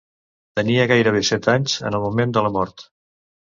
Tenia gairebé set anys en el moment de la mort.